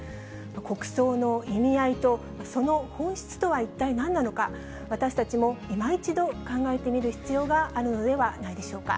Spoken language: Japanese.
国葬の意味合いと、その本質とは一体なんなのか、私たちもいま一度、考えてみる必要があるのではないでしょうか。